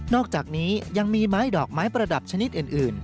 อกจากนี้ยังมีไม้ดอกไม้ประดับชนิดอื่น